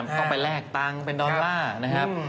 ต้องไปแลกตังค์เป็นดอลลาร์นะครับ